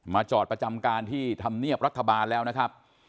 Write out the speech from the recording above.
จอดประจำการที่ธรรมเนียบรัฐบาลแล้วนะครับ